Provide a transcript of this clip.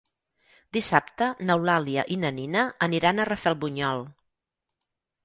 Dissabte n'Eulàlia i na Nina aniran a Rafelbunyol.